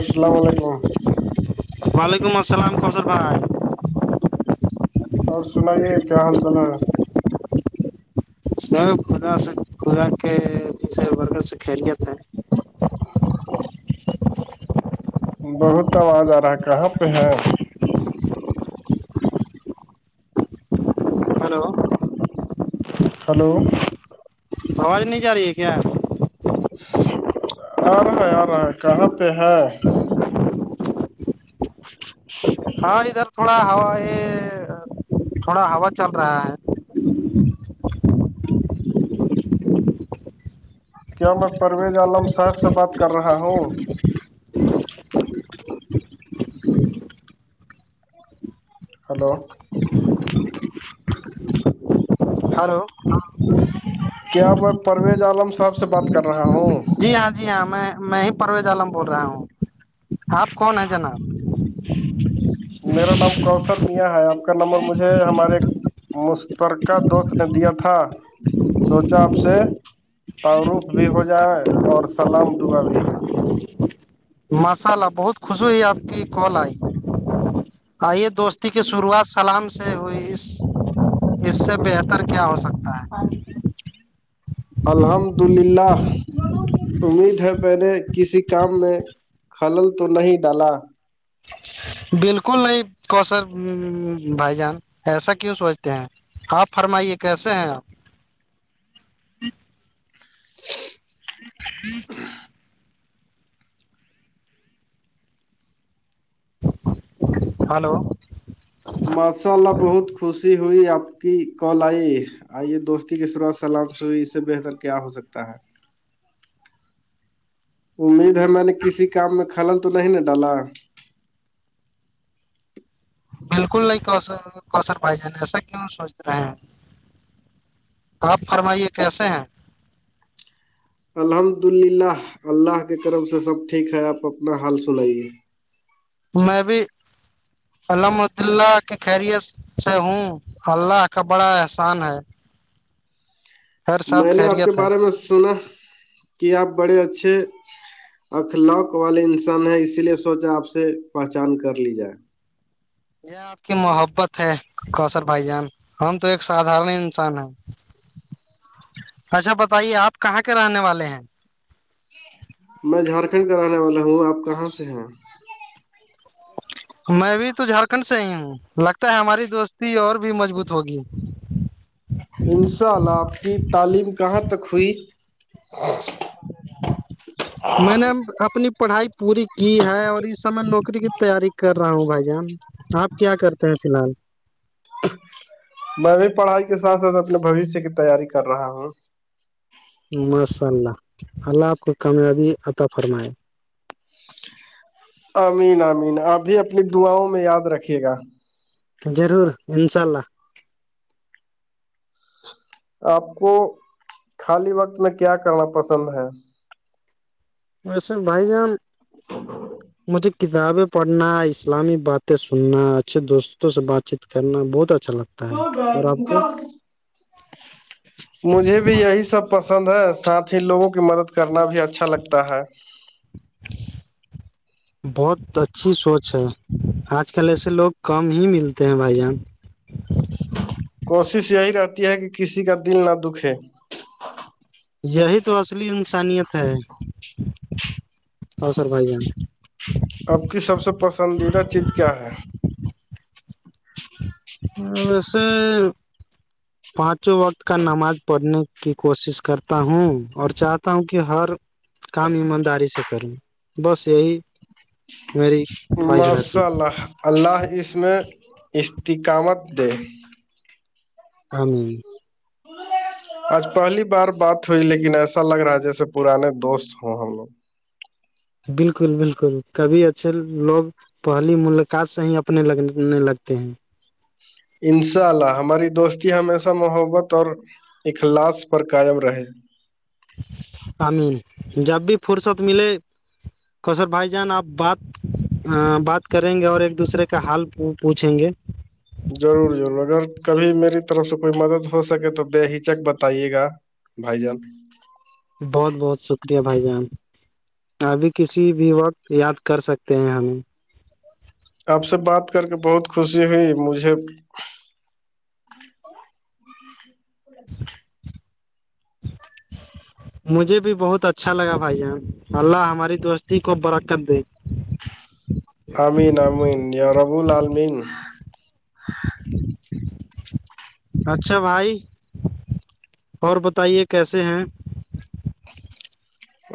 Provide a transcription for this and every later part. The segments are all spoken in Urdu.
السلام علیکم وعلیکم السلام قثر بھائی اور سنائیے کیا حال چال ہے سر خدا سے خدا کےے رک سے خیریت ہے ہ بہت آواز آ رہا ہے کہاں پہ ہے ہلو ہلو آواز نہیں جا رہی ہے کیا آ رہا ہے آ رہا ہے کہاں پہ ہے ہاں ادھر تھوڑا ہوا یہ تھوڑا ہوا چل رہا ہے کیا میں پرویز عالم صاحب سے بات کر رہا ہوں ہلو ہلو کیا میں پرویز عالم صاحب سے بات کر رہا ہوں جی ہاں جی ہاں میں میں ہی پرویز عالم بول رہا ہوں آپ کون ہیں جناب میرا نام کوسل میاں ہے آپ کا نمبر مجھے ہمارے مشترکہ دوست نے دیا تھا سوچا آپ سے تعارف بھی ہو جائے اور سلام دعا بھی ماشاء اللہ بہت خوشی ہوئی آپ کی کال آئی آئیے دوستی کی شروعات سے سلام سے ہوئی اس اس سے بہتر کیا ہو سکتا ہے ہاں الحمد للہ امید ہے پہ نےے کسی کام میں حلل تو نہیں ڈالا بالکل نہیں کوشر بھائی جان ایسا کیوں سوچتے ہیں آپ فرمائیے کیسے ہیں آپ [inaudible] ہ ہلو ماشاء اللہ بہت خوشی ہوئی آپ کی کال آئی آئیے دوستی کی شروعات سلام س اس سے بہتر کیا ہو سکتا ہے امید ہے میں نے کسی کام میں خلل تو نہیں ن ڈالا بالکل نہیں کوشر بھائی جان ایسا کیوں سوچ رہے ہیں آپ فرمائیے کیسے ہیں الحمد للہ اللہ کے طرف سے سب ٹھیک ہے آپ اپنا حال سنائیے میں بھی الحمد اللہ کی خیریت سے ہوں اللہ کا بڑا احسان ہے ہر سب میں نے آپ کے خیریت ہے بارے میں سنا کہ آپ بڑے اچھے اخلااک والے انسان ہے اسی لیے سوچا آپ سے پہچان کر لی جائے یہ آپ کی محبت ہے کوشر بھائی جان ہم تو ایک سدارن انسان ہیں [inaudible] اچھا بتائیے آپ کہاں کے رہنے والے ہیں میں جھارکھنڈ کا رہنے والا ہوں آپ کہاں سے ہیں میں بھی تو جھارکھنڈ سے آئی ہوں لگتا ہے ہماری دوستی اور بھی مضبوط ہوگی ان شاء اللہ آپ کی تعلیم کہاں تک ہوئی ج میں نے اپنی پڑھائی پوری کی ہے اور اس سمے نوکری کی تیاری کر رہا ہوں بھائی جان آپ کیا کرتے ہیں فی الحال میں بھی پڑھائی کے ساتھ ساتھ اپنے بوشیہ کی تیاری کر رہا ہوں ماشاء اللہ اللہ آپ کو کامیابی عطا فرمائے امین امین اپ بھی اپنی دعاؤں میں یاد رکھیے گا ضرور انشاء اللہ آپ کو خالی وقت میں کیا کرنا پسند ہے وسے بھائی جان مجھے کتابیں پڑھنا اسلامی باتیں سننا اچھے دوستوں سے بات چیت کرنا بہت اچھا لگتا ہے اور آپ کو مجھے بھی یہی سب پسند ہے ساتھ ہی لوگوں کی مدد کرنا بھی اچھا لگتا ہے بہت اچھی سوچ ہے آج کل ایسے لوگ کم ہی ملتے ہیں بھائی جان کوشش یہی رہتی ہے کہ کسی کا دل نہ دکھے یہی تو اصلی انسانیت ہے اوصر بھائی جان آپ کی سب سے پسندیدہ چیز کیا ہے ج ویسے ج پانچوں وقت کا نماز پڑھنے کی کوشش کرتا ہوں اور چاہتا ہوں کہ ہر کام ایمانداری سے کروں بس یہی میری خواہش رہتی ماشاء ہے اللہ اللہ اس میں استقامت دے ہ تو آج پہلی بار بات ہوئی لیکن ایسا لگ رہا ہے جیسے پرانے دوست ہوں ہم لوگ بالکل بالکل کبھی اچھے لوگ پہلی ملقات صح ہی اپنے لگنے لگتے ہیں انشاء اللہ ہماری دوستی ہمیشہ محبت اور اخلاص پر قائم رہے امین جب بھی فرصت ملے قثر بھائی جان آپ بات بات کریں گے اور ایک دوسرے کا حال پوچھیں گے ضرور ضرور اگر کبھی میری طرف سے کوئی مدد ہو سکے تو بے ہچک بتائیے گا بھائی جان بہت بہت شکریہ بھائی جان ابھی کسی بھی وقت یاد کر سکتے ہیں ہمیں آپ سے بات کر کے بہت خوشی ہوئی مجھے [inaudible] مجھے بھی بہت اچھا لگا بھائی جان اللہ ہماری دوستی کو برکت دے امین امین یا رابول علمین ج [inaudible] اچھا بھائی اور بتائیے کیسے ہیں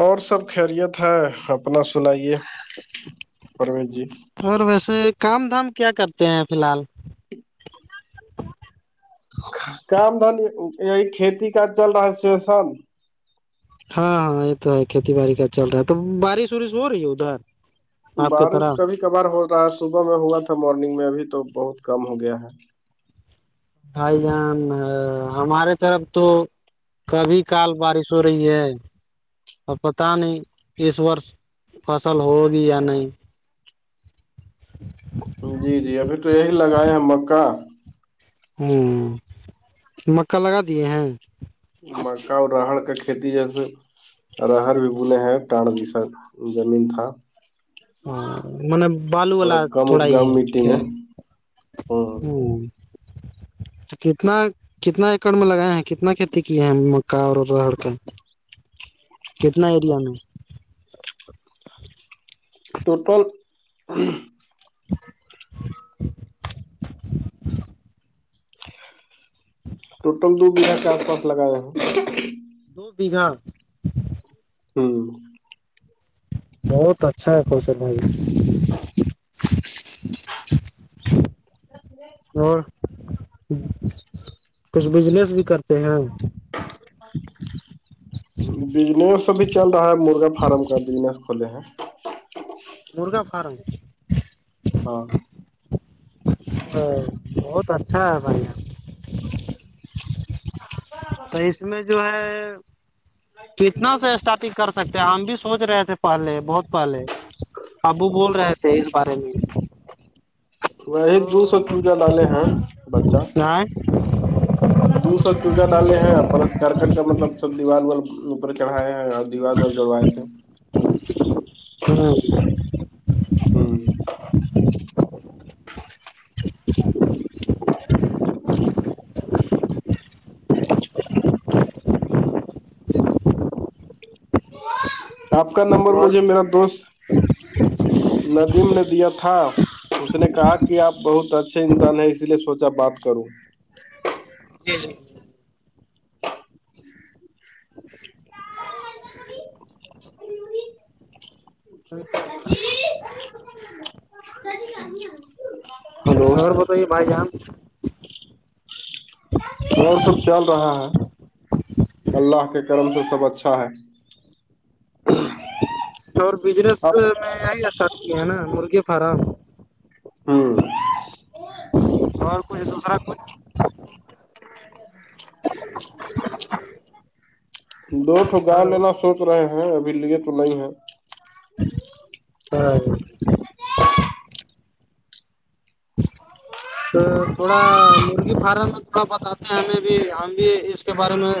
اور سب خیریت ہے اپنا سنائیے پروش جی اور ویسے کام دھام کیا کرتے ہیں فی الحال کام دھن یہی کھیتی کاج چل رہا س سان ہاں ہاں یہ تو ہے کھیتی بای کا چل رہا ہے تو بارش وورش ہو رہی ہے ادھر آپ کی بارش طرف کبھی کبھار ہو رہا ہے صبح میں ہوا تھا مارننگ میں ابھی تو بہت کم ہو گیا ہے بھائی جان ہمارے طرف تو کبھی کال بارش ہو رہی ہے اور پت نہیں اس وورس فصل ہوگی یا نہیں جی جی ابھی تو یہی لگائے ہیں مکا ہوں مکا لگا دیے ہیں مکا اور راہڑ کا کھیتی جیسے رر بھی بنے ہیں ٹڈ بھی سا زمین تھا ہاں م بالو تھوڑا والا کم تھوڑا ہی اپجاؤ مٹی ہے میں ہوں [inaudible] کتنا کتنا ایکڑ میں لگائے ہیں کتنا کھیتی کیے ہیں مکا اور رڑ کا کتنا ایریا میں ٹوٹل ٹوٹل دو بیگھا کے آس پاس لگایا ہیں دو بیھا ہوں بہت اچھا ہے خوش بھائی ا اور کچھ بجنس بھی کرتے ہیں بجنس بھی چل رہا ہے مرغا فارم کا بجنس کھولے ہیں مرغا فارم ہاں ا بہت اچھا ہے بھائی ءگگ تو اس میں جو ہے کتنا سے اسٹارٹنگ کر سکتے ہیں ہم بھی سوچ رہے تھے پہلے بہت پہلے ابو بول رہے تھے اس بارے میں وہی دو سو چزا لالے ہیں بچہ آھ دو سو چوزا ڈالے ہیں پلس کرکٹ کا مطلب سب دیوار دیار اوپر چڑھائے ہیں اور دیوار و جڑوائے تھے ہاں ہوں آپ کا نمبر اور مجھے میرا دوست ندیم نے دیا تھا اس نے کہا کہ آپ بہت اچھے انسان ہیں اسی لیے سوچا بات کروں جی جی جی اچس الا ہلو اور بتائیے بھائی جام اور سب چل رہا ہے اللہ کے کرم سے سب اچھا ہے اور بزنس اب میں یہی اسٹارٹ کیے ہے نا مرغی فارم ہاں اور کچھ دوسرا کچھ دو ٹکا ہلو لینا سوچ رہے ہیں ابھی لیے تو نہیں ہے ہاں گچ تو تھوڑا مرغی فارم میں تھوڑا بتاتے ہیں ہمیں بھی ہم بھی اس کے بارے میں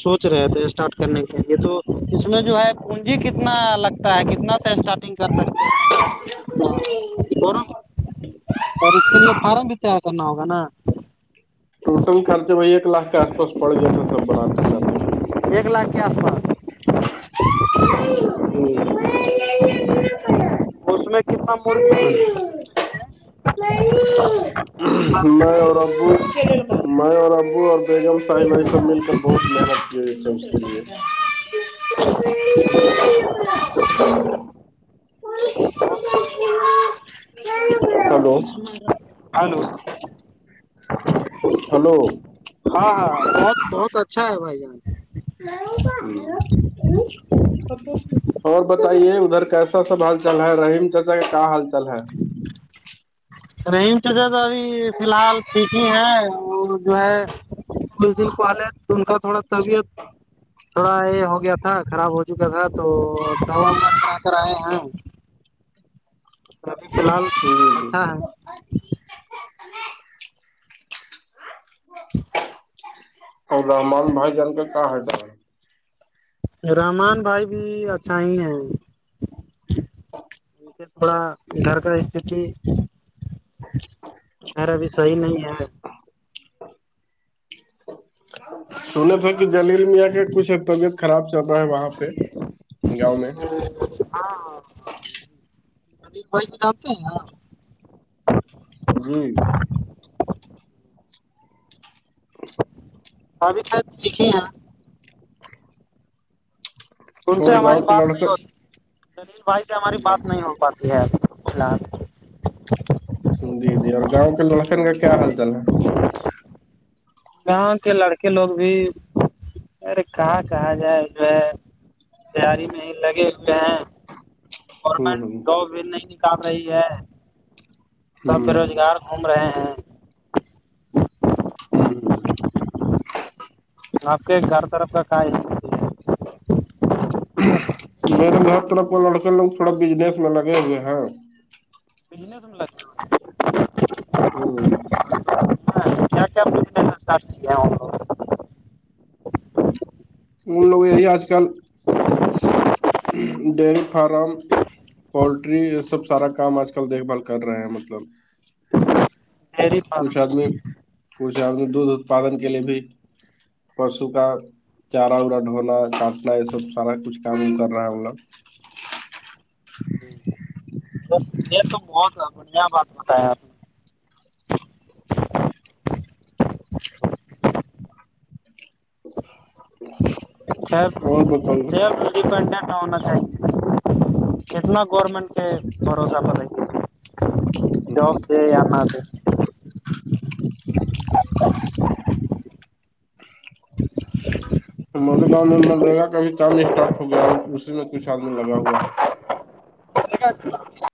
سوچ رہے تھے اسٹارٹ کرنے کے لیے تو اس میں جو ہے پونجی کتنا لگتا ہے کتنا اسٹارٹنگ کر سکتے ہیں کیا جی فورم اور اس کے لیے فارم بھی تیار کرنا ہوگا نا ٹوٹل خرچہ بھائی ایک لاکھ کے آس پاس پڑ گیا تھا سب برات میں نتے ایک لاکھ کے آس پاس ہوں اس میں کتنا مرغی رکھ سکتے ہیں اور ابو م اور ابو اور بیگم صاحب بھائی سب مل کر بہت محنت جی سسک لیے ہلو ہلو ہلو ہاں ہاں بہت بہت اچھا ہے بھائی جان ہ اور بتائیے ادھر کیسا سب حال چل ہے رحیم چاچا کا کیا حال چال ہے رحیم تزاد ابھی فی الحال ٹھیک ہی ہے اور جو ہے کچھ دن پہلے ان کا تھوڑا طبیعت تھوڑا یہ ہو گیا تھا خراب ہو چکا تھا تو دوا وا کرا کر آئے ہیں تو ابھی فی الحال جی جی اچھا ہے اور رحمان بھائی جان کے کہاں ہے د رحمان بھائی بھی اچھا ہی ہے تھوڑا گھر کا استھی خیرا بھی صحیح نہیں ہے سنا تھا کہ جلیل میاں کے کچھ ہے پگت خراب چل رہا ہے وہاں پہ گاؤں میں ہاں ہاں دل بھائی کو جانتے ہیں ہاں جی ابھی کل دیکھی یہ ان سے اور ہماری گاؤں کے بات نہیں لڑکوں ہو دلیل بھائی سے ہماری جی بات نہیں ہو پاتی ہےیال جی جی اور گاؤں کے لکھن کا کیا حال چال ہے گاؤں کے لڑکے لوگ بھی ارے کہاں کہا جائے جو ہے تیاری میں ہی لگے ہوئے ہیں ہ گورنمنٹ ہوں جو بل نہیں نکال رہی ہے تو بے ہوں روزگار گھوم رہے ہیں ہوں آپ کے گھر طرف کا کائی ہے میرے گھر طرف لڑکے لوگ تھوڑا بجنس میں لگے ہوئے ہیں بجنس ہوں جی جی س من لوگ یہی آج کل ڈیری فارم پولٹری یہ سب سارا کام آج کل دیکھ بھال کر رہے ہیں مطلب ڈیری کچھ آدمی فارمیشن کچھ آدمی دودھ اتپادن کے لیے بھی پرسو کا چارا وارا ڈھونا کاٹنا یہ سب سارا کچھ کام کر رہا ہے ہم لوگ د یے تو بہت بڑھیا بات بتایا آپ نے کیب اور ب بتائیے جد کنٹیکٹ ہونا تھا کتنا گورنمنٹ کے بھروسہ پے جاب ہ سے آنا د تو مرےگاؤں میں منرگا کا بھی کام اسٹارٹ ہو گیا اسی میں کچھ آدمی لگا ہوا ہے دے